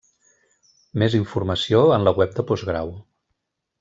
Més informació en la Web de Postgrau.